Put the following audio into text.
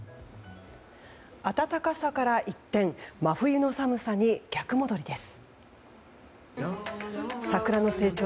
暖かさから一転真冬の寒さに逆戻りです。